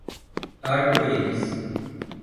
Arco-Íris